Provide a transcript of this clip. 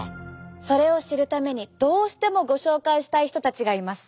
それを知るためにどうしてもご紹介したい人たちがいます。